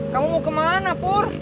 kamu mau kemana pur